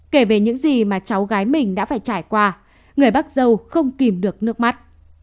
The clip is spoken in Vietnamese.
kể về những gì mà cháu gái mình đã phải trải qua người bắc dâu không kìm được nước mắt